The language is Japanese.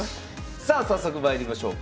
さあ早速まいりましょうか。